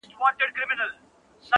ولي مي هره شېبه ـ هر ساعت په غم نیسې ـ